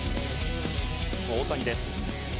大谷です。